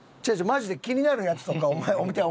マジで気になるやつとかお前。